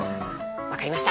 分かりました。